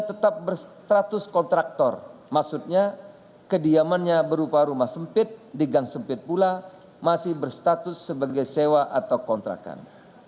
tetap berstatus kontraktor maksudnya kediamannya berupa rumah sempit di gang sempit pula masih berstatus sebagai sewa atau kontrakan